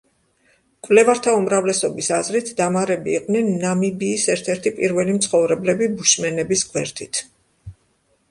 მკვლევართა უმრავლესობის აზრით დამარები იყვნენ ნამიბიის ერთ-ერთი პირველი მცხოვრებლები ბუშმენების გვერდით.